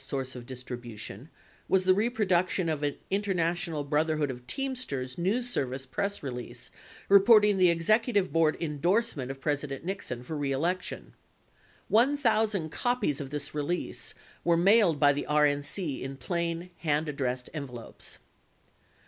154 source of distribution was the reproduction of an International Broth erhood of Teamsters news service press release reporting the executive board endorsement of President Nixon for re election. One thousand copies of this release were mailed by the RNC in plain, hand addressed envelopes.